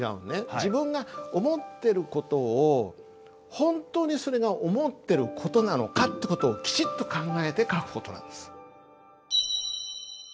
自分が思ってる事をほんとにそれが思ってる事なのかって事をきちっと考えて書く事なんです。